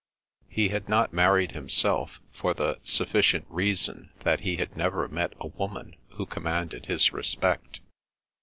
He had not married himself for the sufficient reason that he had never met a woman who commanded his respect.